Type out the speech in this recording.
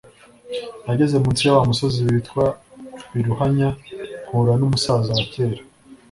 Nageze munsi ya wa musozi witwa Biruhanya, mpura n’umusaza wa kera